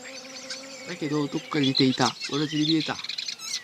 だけど、どこか似ていた。同じに見えた。